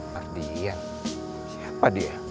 mardian siapa dia